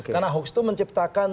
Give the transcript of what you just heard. karena hoax itu menciptakan